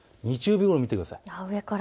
日曜日を見てください。